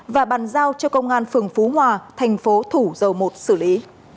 và bàn giao cho công an phường phú hòa thành phố thủ dầu một xử lý